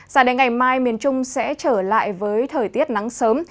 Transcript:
giả đề ngày mai miền trung sẽ trở lại với thời tiết nắng sớm